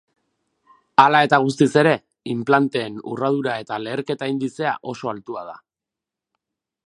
Hala eta guztiz ere, inplanteen urradura eta leherketa indizea oso altua da.